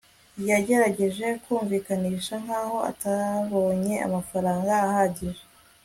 Yagerageje kumvikanisha nkaho atabonye amafaranga ahagije